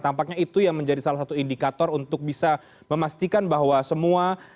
teknis di kpu dan bawaslu